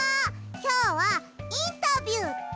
きょうはインタビューです。